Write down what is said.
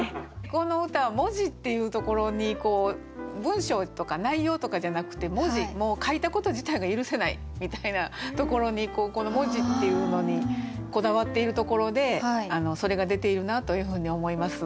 この歌は「文字」っていうところに文章とか内容とかじゃなくて文字もう書いたこと自体が許せない！みたいなところにこの文字っていうのにこだわっているところでそれが出ているなというふうに思います。